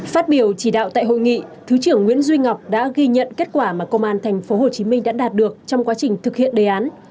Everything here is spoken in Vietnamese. phát biểu chỉ đạo tại hội nghị thứ trưởng nguyễn duy ngọc đã ghi nhận kết quả mà công an tp hcm đã đạt được trong quá trình thực hiện đề án